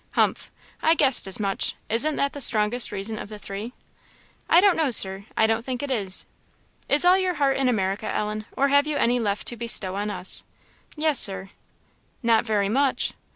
"Humph! I guessed as much. Isn't that the strongest reason of the three?" "I don't know, Sir; I don't think it is." "Is all your heart in America, Ellen, or have you any left to bestow on us?" "Yes, Sir." "Not very much!"